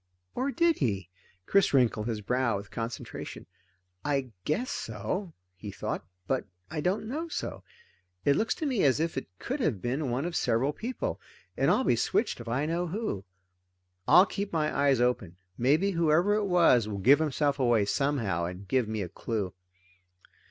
Or did he? Chris wrinkled his brow with concentration. I guess so, he thought, but I don't know so. It looks to me as if it could have been one of several people, and I'll be switched if I know who. I'll keep my eyes open. Maybe whoever it was will give himself away somehow and give me a clue.